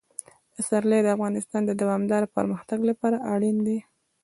پسرلی د افغانستان د دوامداره پرمختګ لپاره اړین دي.